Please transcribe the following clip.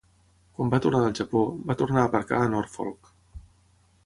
Quan va tornar del Japó, va tornar a aparcar a Norfolk.